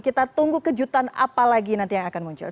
kita tunggu kejutan apa lagi nanti yang akan muncul